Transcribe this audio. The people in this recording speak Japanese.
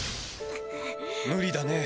無理だね。